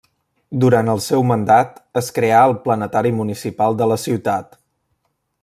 Durant el seu mandat, es creà el Planetari Municipal de la ciutat.